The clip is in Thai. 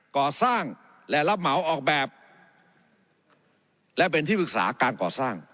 ก่อสร้างและรับเหมาออกแบบและเป็นที่ปรึกษาการก่อสร้าง